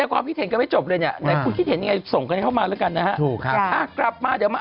อ่ะกลับมายืนต่อนะครับผม